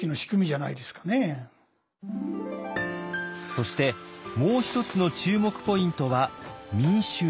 そしてもう一つの注目ポイントは民衆です。